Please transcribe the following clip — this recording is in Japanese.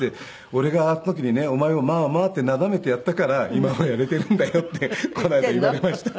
「俺があの時にねお前をまあまあってなだめてやったから今もやれているんだよ」ってこの間言われました。